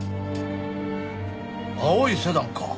青いセダンか。